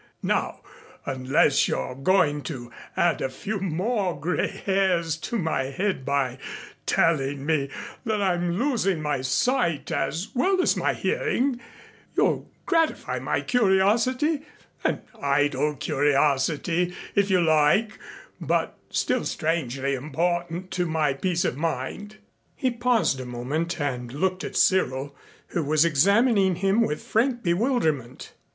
Now unless you're going to add a few more gray hairs to my head by telling me that I'm losing my sight as well as my hearing, you'll gratify my curiosity an idle curiosity, if you like, but still strangely important to my peace of mind." He paused a moment and looked at Cyril, who was examining him with frank bewilderment.